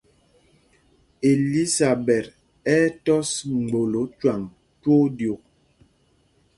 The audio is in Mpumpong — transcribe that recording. Elisaɓɛt ɛ́ ɛ́ tɔ́s mgbolǒ cwâŋ twóó ɗyûk.